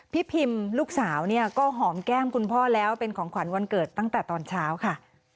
พิมลูกสาวเนี่ยก็หอมแก้มคุณพ่อแล้วเป็นของขวัญวันเกิดตั้งแต่ตอนเช้าค่ะ